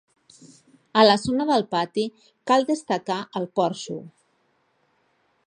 A la zona del pati cal destacar el porxo.